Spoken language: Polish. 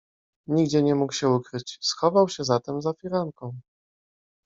"Nigdzie nie mógł się ukryć, schował się zatem za firanką."